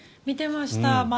見てました。